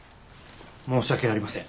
申し訳ありません。